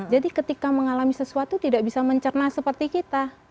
jadi ketika mengalami sesuatu tidak bisa mencerna seperti kita